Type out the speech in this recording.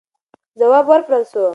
ځواب ورکړل سو.